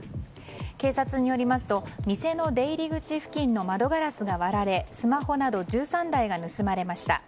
警察によりますと店の出入り口付近の窓ガラスが割られスマホなど１３台が盗まれました。